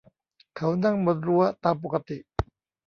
เขานั่งบนรั้วตามปกติ